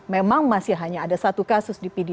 memang masih hanya ada satu kasus di pdip